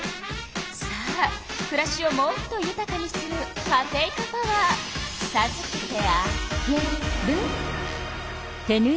さあくらしをもっとゆたかにするカテイカパワーさずけてあげる。